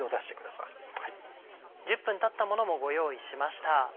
１０分たったものもご用意しました。